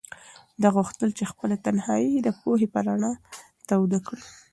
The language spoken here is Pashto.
ده غوښتل چې خپله تنهایي د پوهې په رڼا توده کړي.